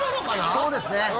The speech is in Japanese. そうですね